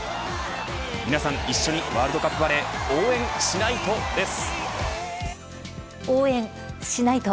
皆さん一緒にワールドカップバレー応援しないとです。